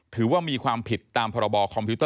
ถือว่ามีความผิดตามพค